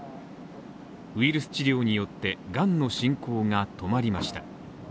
ウイルス治療によって、がんの進行が止まりました。